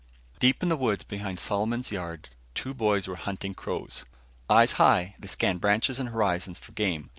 Deep in the woods behind Solomon's yard two boys were hunting crows. Eyes high, they scanned branches and horizons for game.